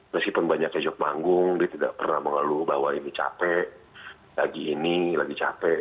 meskipun banyak kejogbanggung dia tidak pernah mengelul bahwa ini capek lagi ini lagi capek